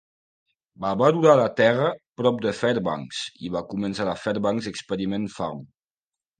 Va valorar la terra prop de Fairbanks i va començar la Fairbanks Experiment Farm.